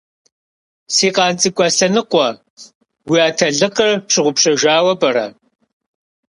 Си къан цӀыкӀу Аслъэныкъуэ! Уи атэлыкъыр пщыгъупщэжауэ пӀэрэ?